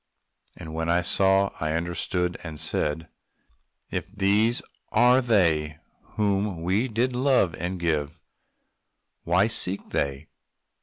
And when I saw, I understood and said "If these are they whom we did love, and give, What seek they?"